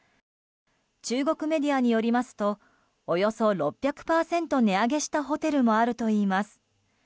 中国メディアによりますとおよそ６００％値上げしたホテルもあるといいます。